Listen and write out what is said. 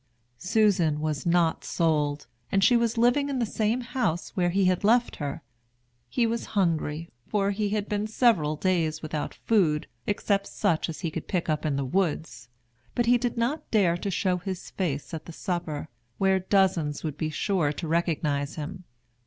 Susan was not sold, and she was living in the same house where he had left her. He was hungry, for he had been several days without food, except such as he could pick up in the woods; but he did not dare to show his face at the supper, where dozens would be sure to recognize him.